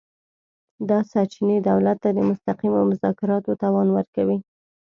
دا سرچینې دولت ته د مستقیمو مذاکراتو توان ورکوي